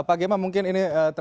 pak gemma mungkin ini